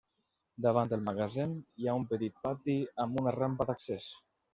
Davant el magatzem hi ha un petit pati amb una rampa d'accés.